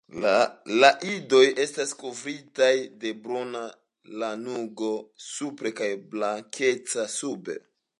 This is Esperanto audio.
La idoj estas kovritaj de bruna lanugo supre kaj blankeca sube.